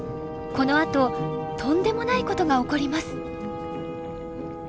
このあととんでもないことが起こります。